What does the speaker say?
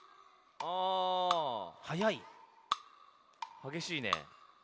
はげしいね。